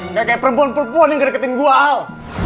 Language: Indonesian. nggak kayak perempuan perempuan yang nggak deketin gue al